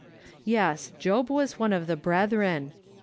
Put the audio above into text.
Yes, Job was one of tlie " brethren."